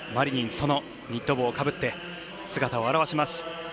そのニット帽をかぶって姿を現します。